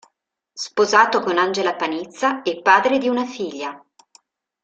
Sposato con Angela Panizza e padre di una figlia.